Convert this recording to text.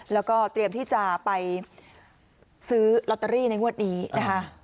แล้วก็เตรียมที่จะไปซื้อลอตเตอรี่ในงวดนี้นะคะ